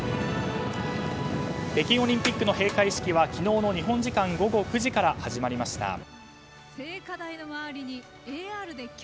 北京オリンピックの閉会式は昨日の日本時間午後９時から始まりました。